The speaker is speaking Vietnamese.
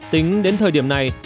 tính đến thời điểm này